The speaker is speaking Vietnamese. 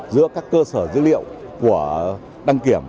giữa các cơ sở dữ liệu của đăng kiểm